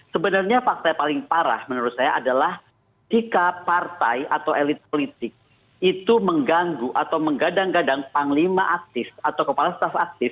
sebenarnya fakta yang paling parah menurut saya adalah jika partai atau elit politik itu mengganggu atau menggadang gadang panglima aktif atau kepala staf aktif